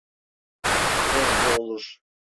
Bence olur.